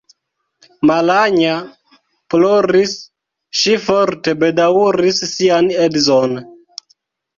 Malanja ploris; ŝi forte bedaŭris sian edzon.